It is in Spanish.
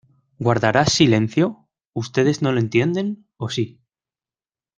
¿ Guardarás silencio? ¿ ustedes no lo entienden, o si?